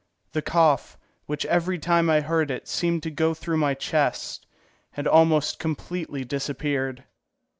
The cough, which every time that I heard it seemed to go through my chest, had almost completely disappeared.